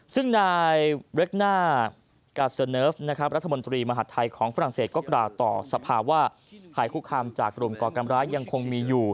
ซึ่งนายเรคน่ากาเซอร์เนิร์ฟนะครับรัฐมนตรีมหาดไทยของฝรั่งเศสก็กล่าวต่อสภาว่าหายคุกคามจากกลุ่มก่อการร้ายยังคงมีอยู่